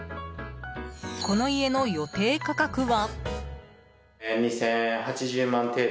この家の予定価格は。